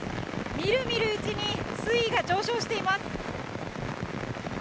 みるみるうちに水位が上昇しています。